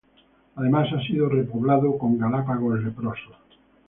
Además, ha sido repoblado con galápagos leprosos.